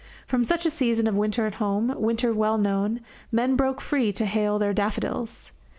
From such a season of winter at home, winter well known, men broke free to hail their daffodils.